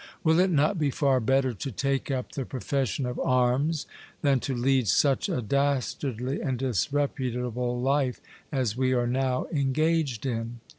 Will it not be far better to take up the pro fession of arms, than to lead such a dastardly and disreputable life as we are now engaged in